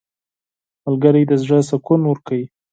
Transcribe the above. • ملګری د زړه سکون ورکوي.